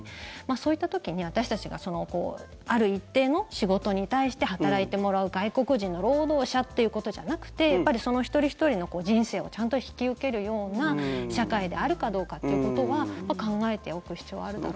そういった時に私たちがある一定の仕事に対して働いてもらう外国人の労働者ということじゃなくてその一人ひとりの人生をちゃんと引き受けるような社会であるかどうかってことは考えておく必要はあるだろうなと。